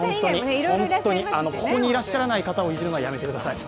ここにいらっしゃらない方をいじるのはやめてください。